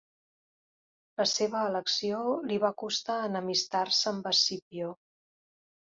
La seva elecció li va costar enemistar-se amb Escipió.